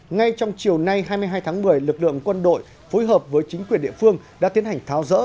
ngay trong chiều nay hai mươi hai tháng một mươi lực lượng quân đội phối hợp với chính quyền địa phương đã tiến hành tháo rỡ